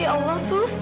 ya allah sus